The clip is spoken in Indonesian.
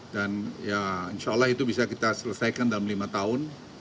dan ya insya allah itu bisa kita selesaikan dalam lima tahun